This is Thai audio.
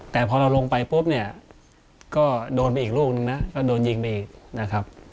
แต่พอเราลงไปปุ๊บเนี่ยก็โดนไปอีกลูกนึงนะก็โดนยิงไปนะครับ